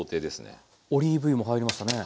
オリーブ油も入りましたね。